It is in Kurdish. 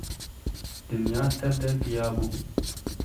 Dinya tev de giya bû.